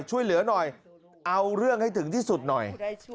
ช่วยเหลือหน่อยเอาเรื่องให้ถึงที่สุดหน่อย